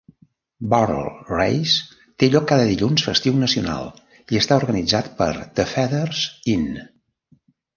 Barrel Race té lloc cada dilluns festiu nacional i està organitzat per The Feathers Inn.